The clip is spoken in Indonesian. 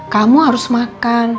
kamu harus makan